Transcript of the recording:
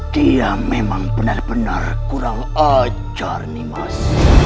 dia memang benar benar kurang ajar nimas